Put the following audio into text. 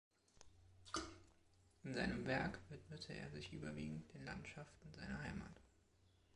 In seinem Werk widmete er sich überwiegend den Landschaften seiner Heimat.